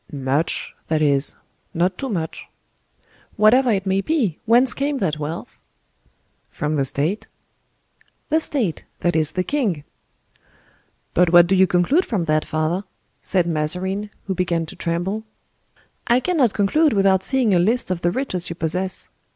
"Hum! much—that is, not too much." "Whatever it may be, whence came that wealth?" "From the state." "The state; that is the king." "But what do you conclude from that, father?" said Mazarin, who began to tremble. "I cannot conclude without seeing a list of the riches you possess.